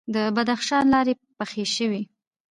د بدخشان لارې پاخه شوي؟